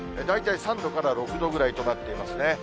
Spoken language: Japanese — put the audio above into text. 大体３度から６度くらいとなってますね。